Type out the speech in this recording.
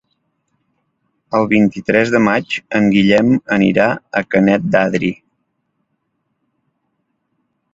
El vint-i-tres de maig en Guillem anirà a Canet d'Adri.